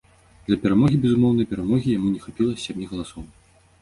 Для перамогі безумоўнай перамогі яму не хапіла сямі галасоў.